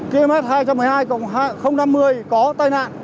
kms hai trăm một mươi hai năm mươi có tai nạn